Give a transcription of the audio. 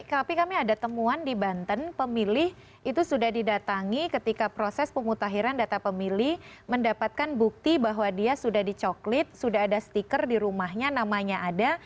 tapi kami ada temuan di banten pemilih itu sudah didatangi ketika proses pemutahiran data pemilih mendapatkan bukti bahwa dia sudah dicoklit sudah ada stiker di rumahnya namanya ada